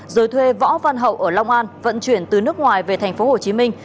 rồi thuê võ văn hậu ở long an vận chuyển từ nước ngoài về thành phố hồ chí minh